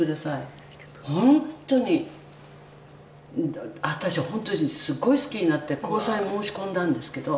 「私本当にすごい好きになって交際申し込んだんですけど」